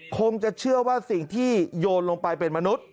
คงจะเชื่อว่าสิ่งที่โยนลงไปเป็นมนุษย์